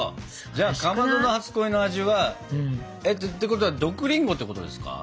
じゃあかまどの初恋の味はてことは毒りんごってことですか？